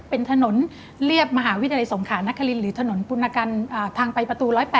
เป็นถนนเรียบมหาวิทยาลัยสงขานครินหรือถนนปุณกันทางไปประตู๑๐๘